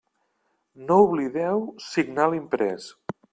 No oblideu signar l'imprès.